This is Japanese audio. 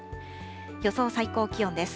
予想最高気温です。